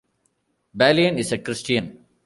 Bailon is a Christian.